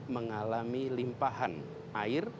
mengalami limpahan air